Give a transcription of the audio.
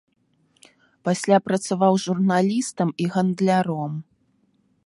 Пасля працаваў журналістам і гандляром.